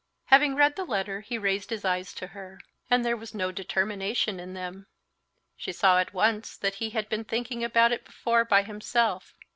Having read the letter, he raised his eyes to her, and there was no determination in them. She saw at once that he had been thinking about it before by himself.